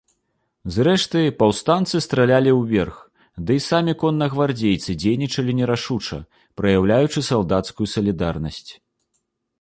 Зрэшты, паўстанцы стралялі ўверх, ды і самі коннагвардзейцы дзейнічалі нерашуча, праяўляючы салдацкую салідарнасць.